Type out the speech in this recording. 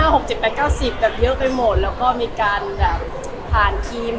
คงเป็นแบบเรื่องปกติที่แบบ